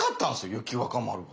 雪若丸が。